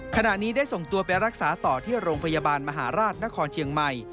ขณะนี้ได้ส่งตัวไปรักษาต่อที่โรงพยาบาลมหาราชนครเชียงใหม่